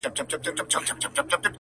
پر تاخچو- پر صندوقونو پر کونجونو-